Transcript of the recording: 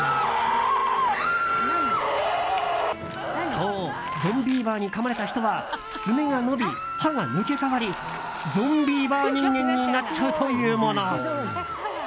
そう、ゾンビーバーにかまれた人は爪が伸び、歯が抜け替わりゾンビーバー人間になっちゃうというもの。